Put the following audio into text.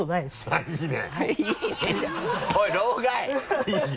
あぁいいね。